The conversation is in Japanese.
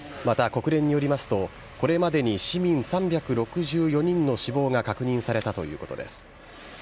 また国連によりますと、これまでに市民３６４人の死亡が確認されたということです。